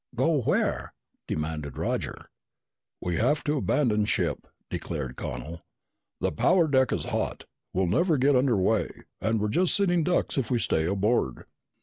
"Go where?" demanded Roger. "We have to abandon ship," declared Connel. "The power deck is shot. We'll never get under way, and we're just sitting ducks if we stay aboard."